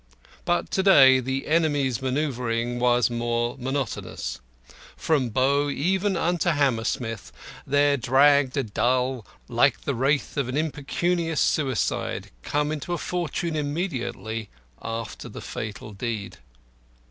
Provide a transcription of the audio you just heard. But to day the enemy's manoeuvring was more monotonous. From Bow even unto Hammersmith there draggled a dull, wretched vapour, like the wraith of an impecunious suicide come into a fortune immediately after the fatal deed.